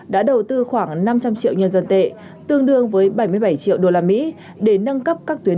đã đầu tư khoảng năm trăm linh triệu nhân dân tệ tương đương với bảy mươi bảy triệu đô la mỹ để nâng cấp các tuyến